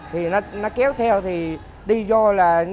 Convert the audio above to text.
thì nó kéo theo thì đi vô là